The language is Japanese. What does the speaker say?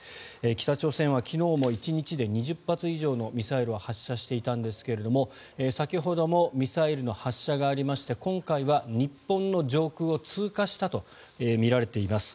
北朝鮮は昨日も１日で２０発以上のミサイルを発射していたんですが先ほどもミサイルの発射がありまして今回は日本の上空を通過したとみられています。